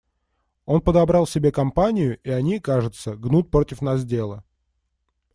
Он подобрал себе компанию, и они, кажется, гнут против нас дело.